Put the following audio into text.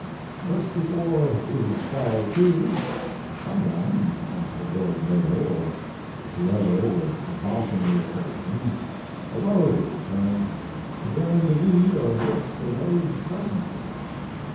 Just before we fell to, some one the lord mayor, or whoever was bossing the occasion arose and began to read a list of those present No.